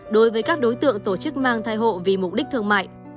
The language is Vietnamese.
đối với các đối tượng tổ chức mang thai hộ vì mục đích thương mại